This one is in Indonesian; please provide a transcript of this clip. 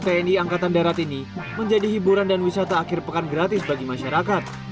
tni angkatan darat ini menjadi hiburan dan wisata akhir pekan gratis bagi masyarakat